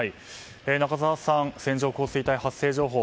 中澤さん、線状降水帯発生情報